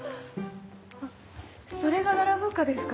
あっそれがダラブッカですか？